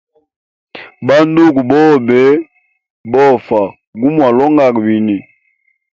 Ba nduku bobe bofa gumwalonganga bini.